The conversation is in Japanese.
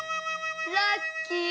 ラッキー！